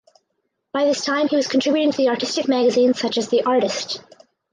By this time he was contributing to artistic magazines such as "The Artist".